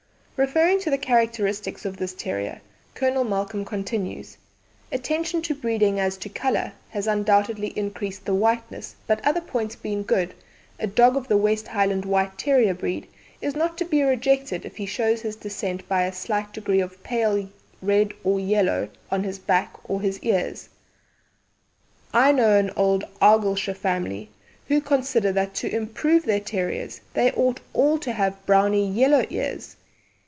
Referring to the characteristics of this terrier, Colonel Malcolm continues: "Attention to breeding as to colour has undoubtedly increased the whiteness, but, other points being good, a dog of the West Highland White Terrier breed is not to be rejected if he shows his descent by a slight degree of pale red or yellow on his back or his ears. I know an old Argyllshire family who consider that to improve their terriers they ought all to have browny yellow ears.